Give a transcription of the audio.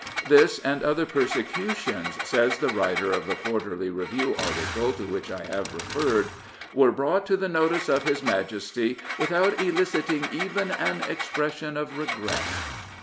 This and other persecutions, says the writer of the Quarterly Review article to which I have referred, " were brought to the notice of his Majesty without eliciting even an expression of regret."